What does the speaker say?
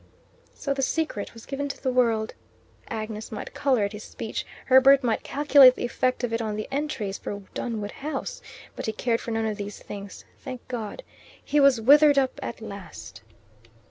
So the secret was given to the world. Agnes might colour at his speech; Herbert might calculate the effect of it on the entries for Dunwood House; but he cared for none of these things. Thank God! he was withered up at last.